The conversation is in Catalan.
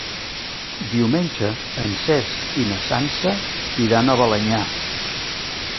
Diumenge en Cesc i na Sança iran a Balenyà.